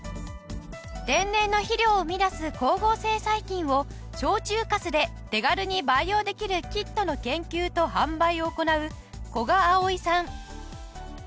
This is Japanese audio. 天然の肥料を生み出す光合成細菌を焼酎粕で手軽に培養できるキットの研究と販売を行う古賀碧さん。